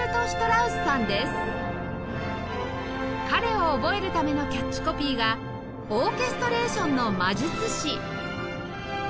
彼を覚えるためのキャッチコピーが「オーケストレーションの魔術師」